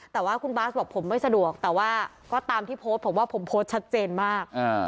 แต่ว่าคุณบาสบอกผมไม่สะดวกแต่ว่าก็ตามที่โพสต์ผมว่าผมโพสต์ชัดเจนมาก